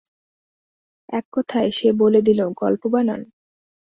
এককথায় সে বলে দিল গল্প বানান?